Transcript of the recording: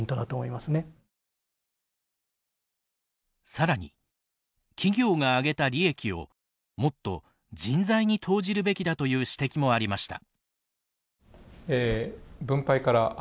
さらに企業が上げた利益をもっと人材に投じるべきだという指摘もありました。